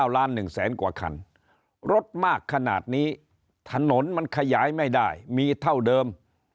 ล้าน๑แสนกว่าคันรถมากขนาดนี้ถนนมันขยายไม่ได้มีเท่าเดิม